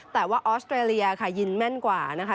แต่ว่าออสเตรเลียค่ะยินแม่นกว่านะคะ